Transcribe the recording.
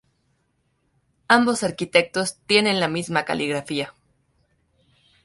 Ambos arquitectos tienen la misma caligrafía.